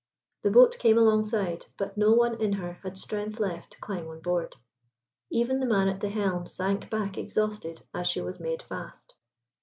The boat came alongside, but no one in her had strength left to climb on board. Even the man at the helm sank back exhausted as she was made fast.